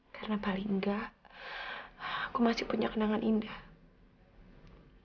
karena paling enggak aku masih punya kenangan indah